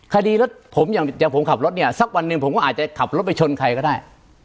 คดีรถผมอย่างผมขับรถเนี่ยสักวันหนึ่งผมก็อาจจะขับรถไปชนใครก็ได้